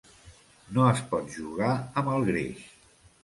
No es pot jugar amb el greix.